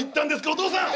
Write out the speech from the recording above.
お父さん！